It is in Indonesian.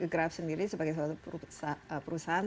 graaf sendiri sebagai perusahaan